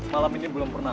malam ini belum pernah